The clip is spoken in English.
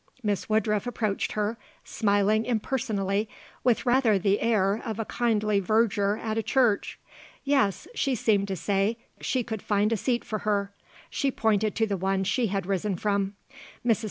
Miss Woodruff approached her, smiling impersonally, with rather the air of a kindly verger at a church. Yes, she seemed to say, she could find a seat for her. She pointed to the one she had risen from. Mrs.